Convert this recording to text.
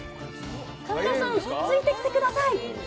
カメラさん、ついてきてください。